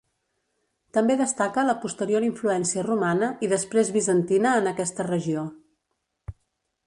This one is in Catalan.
També destaca la posterior influència romana i després bizantina en aquesta regió.